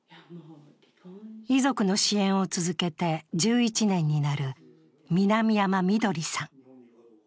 遺族の支援を続けて１１年になる南山みどりさん。